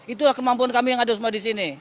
itulah kemampuan kami yang ada semua di sini